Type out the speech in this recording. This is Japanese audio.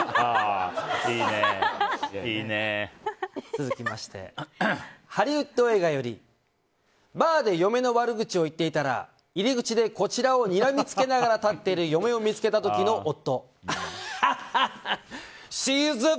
続きまして、ハリウッド映画よりバーで嫁の悪口を言っていたら入り口でこちらをにらみつけながら立っている嫁を見つけた時の夫。